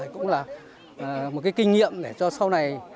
cũng là một kinh nghiệm để cho sau này